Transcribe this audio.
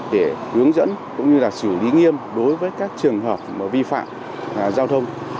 để hướng dẫn cũng như xử lý nghiêm đối với các trường hợp vi phạm giao thông